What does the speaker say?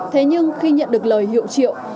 thế nhưng khi nhận được lời hiệu triệu